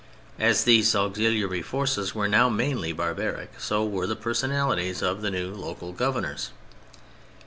As these auxiliary forces were now mainly barbaric, so were the personalities of the new local governors.